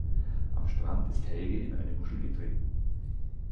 Am Strand ist Helge in eine Muschel getreten.